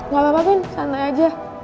gapapa bin santai aja